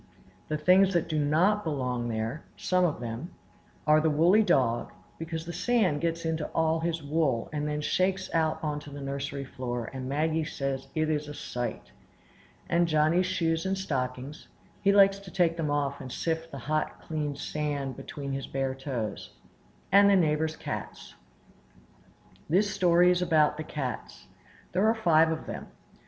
The things that do not belong there (some of them) are the woolly dog (because the sand gets all into his wool, and then shakes out on the nursery floor, and Maggie says it is a Sight!), and Johnny's shoes and stockings (he likes to take them off and sift the hot, clean sand between his bare toes), and the neighbors' cats. This story is about the cats. There are five of them.